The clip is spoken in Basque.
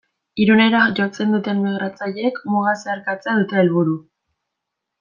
Irunera jotzen duten migratzaileek muga zeharkatzea dute helburu.